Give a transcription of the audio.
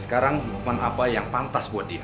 sekarang apa yang pantas buat dia